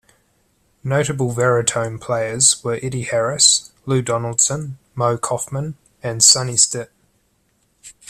Notable Varitone players were Eddie Harris, Lou Donaldson, Moe Koffman, and Sonny Stitt.